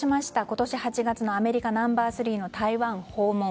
今年８月のアメリカナンバー３の台湾訪問。